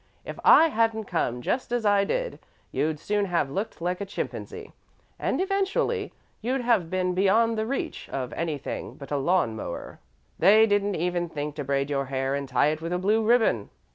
If I hadn't come just as I did, you'd soon have looked like a chimpanzee, and, eventually, you'd have been beyond the reach of anything but a lawn mower. They didn't even think to braid your hair and tie it with a blue ribbon."